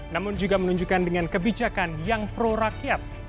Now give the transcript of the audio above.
namun juga menunjukkan dengan kebijakan yang pro rakyat